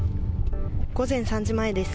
午前３時前です。